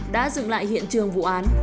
đã dựng lại hiện trường vụ án